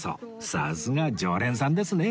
さすが常連さんですねえ